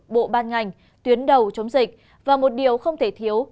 bộ ban ngành tuyến đầu chống dịch và một điều không thể thiếu